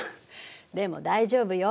でも大丈夫よ。